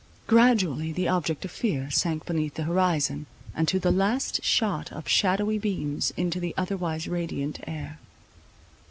Gradually the object of fear sank beneath the horizon, and to the last shot up shadowy beams into the otherwise radiant air.